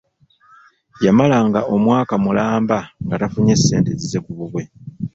yamalanga omwaka omulamba nga tafunye ssente zize ku bubwe.